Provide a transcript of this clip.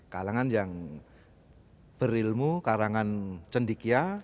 kalangan yang berilmu karangan cendikia